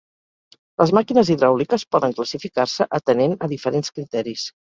Les màquines hidràuliques poden classificar-se atenent a diferents criteris.